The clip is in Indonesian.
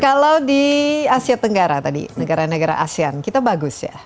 kalau di asia tenggara tadi negara negara asean kita bagus ya